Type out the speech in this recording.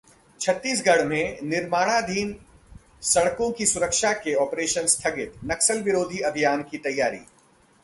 छत्तीसगढ़ में निर्माणाधीन सड़कों की सुरक्षा के ऑपरेशन स्थगित, नक्सल विरोधी अभियान की तैयारी